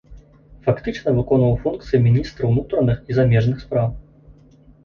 Фактычна выконваў функцыі міністра унутраных і замежных спраў.